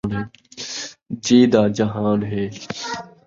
جی دا جہان ہے